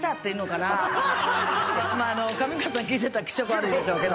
上川さん聞いてたら気色悪いでしょうけど。